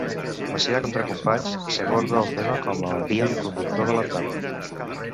Macià contra Companys s'aborda el tema com a fil conductor de la trama.